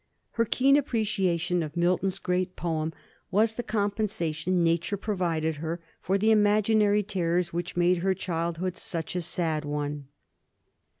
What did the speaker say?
Her keen appreciation of Milton's great poem was the compensation nature provided for the imaginative terrors which made her childhood such a sad one.